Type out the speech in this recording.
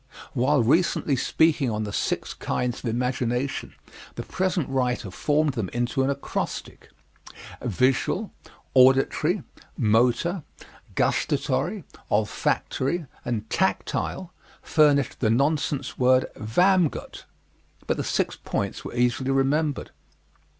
While recently speaking on the six kinds of imagination the present writer formed them into an acrostic visual, auditory, motor, gustatory, olfactory, and tactile, furnished the nonsense word vamgot, but the six points were easily remembered.